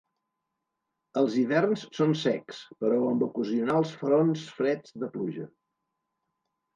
Els hiverns són secs, però amb ocasionals fronts freds de pluja.